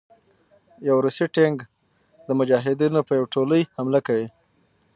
يو روسي ټېنک د مجاهدينو په يو ټولې حمله کوي